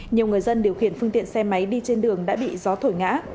nhiều người dân điều khiển phương tiện xe máy đi trên đường đã bị gió thổi ngã